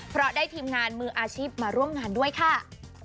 เพราะได้ทีมงานมืออาชีพมาร่วมงานด้วยค่ะ